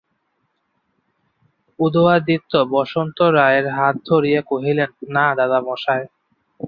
উদয়াদিত্য বসন্ত রায়ের হাত ধরিয়া কহিলেন, না, দাদামহাশয়।